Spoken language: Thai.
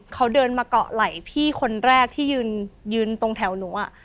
เขาเดินมาเกาะไหล่พี่คนแรกที่ยืนตรงแถวหนูอ่ะ